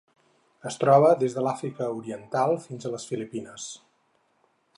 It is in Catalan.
Es troba des de l'Àfrica Oriental fins a les Filipines.